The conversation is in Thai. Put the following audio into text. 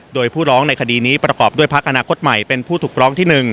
โดยผู้ร้องในคดีนี้ประกอบด้วยพักอนาคตใหม่เป็นผู้ถูกร้องที่๑